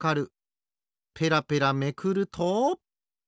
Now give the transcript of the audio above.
ペラペラめくると。